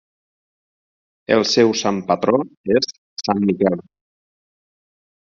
El seu sant patró és Sant Miquel.